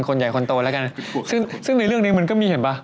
คนใหญ่คนโตแล้วกันซึ่งซึ่งในเรื่องนี้มันก็มีเห็นป่ะ